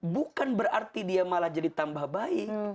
bukan berarti dia malah jadi tambah baik